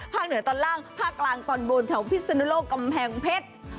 เหนือตอนล่างภาคกลางตอนบนแถวพิศนุโลกกำแพงเพชร